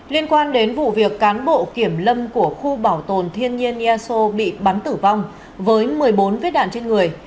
liên quan đến vụ việc cán bộ kiểm lâm của khu bảo tồn thiên nhiên eso bị bắn tử vong với một mươi bốn viết đạn trên người